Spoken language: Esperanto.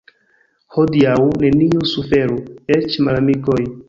Hodiaŭ neniu suferu, eĉ malamikoj.